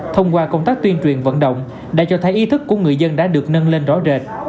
thông qua công tác tuyên truyền vận động đã cho thấy ý thức của người dân đã được nâng lên rõ rệt